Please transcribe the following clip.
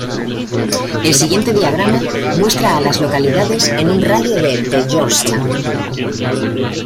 El siguiente diagrama muestra a las localidades en un radio de de Georgetown.